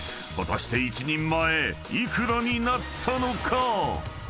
［果たして１人前幾らになったのか？］